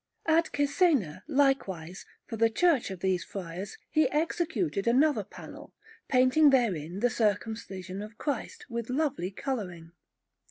At Cesena, likewise for the church of these friars, he executed another panel, painting therein the Circumcision of Christ, with lovely colouring.